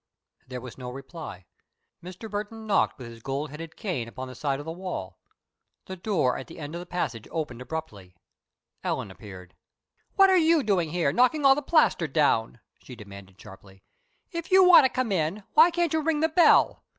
There was no reply. Mr. Burton knocked with his gold headed cane upon the side of the wall. The door at the end of the passage opened abruptly. Ellen appeared. "What are you doing there, knocking all the plaster down?" she demanded, sharply. "If you want to come in, why can't you ring the bell?